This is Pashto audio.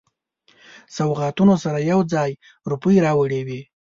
سوغاتونو سره یو ځای روپۍ راوړي وې.